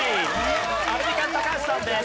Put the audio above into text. アルミカン高橋さんです。